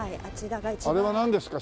あれはなんですか？